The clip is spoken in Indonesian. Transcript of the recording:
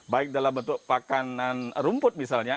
baik dalam bentuk pakan rumput misalnya